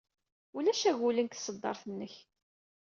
Ulac agulen deg tṣeddart-nnek.